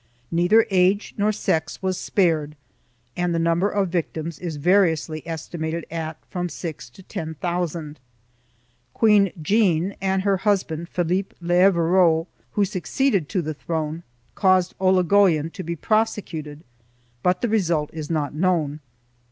Neither age nor sex was spared and the num ber of victims is variously estimated at from six to ten thousand. Queen Jeanne and her husband Philippe d'Evreux, who suc ceeded to the throne, caused Olligoyen to be prosecuted, but the result is not known.